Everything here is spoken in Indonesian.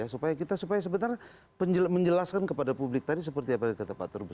supaya kita supaya sebentar menjelaskan kepada publik tadi seperti apa yang kata pak turbu